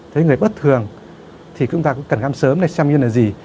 thấy người bất thường thì chúng ta cũng cần khám sớm này xem như là gì